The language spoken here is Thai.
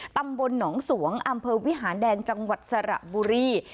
ตำบลหนองสวงอำเภอวิหารแดงจังหวัดสระบุรี